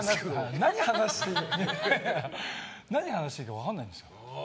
何話していいか分かんないですよ。